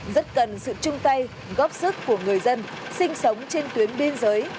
rất cần sự chung tay góp sức của người dân sinh sống trên tuyến biên giới